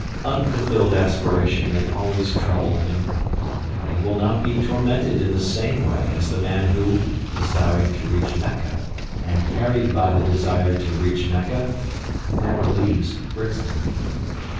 Unfulfilled aspiration may always trouble him. But he will not be tormented in the same way as the man who, desiring to reach Mecca, and harried by the desire to reach Mecca, never leaves Brixton.